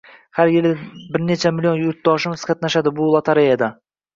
Har yili bir necha million vatandoshimiz qatnashadi shu lotoreyada.